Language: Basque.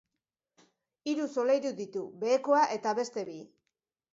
Hiru solairu ditu, behekoa eta beste bi.